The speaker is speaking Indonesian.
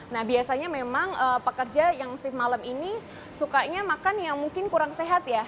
nah biasanya memang pekerja yang shift malam ini sukanya makan yang mungkin kurang sehat ya